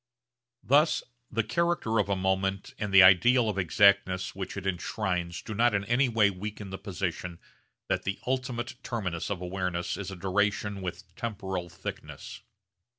Thus the character of a moment and the ideal of exactness which it enshrines do not in any way weaken the position that the ultimate terminus of awareness is a duration with temporal thickness.